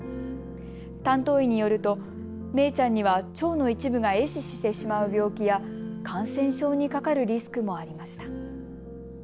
担当医によるとめいちゃんには腸の一部がえ死してしまう病気や感染症にかかるリスクもありました。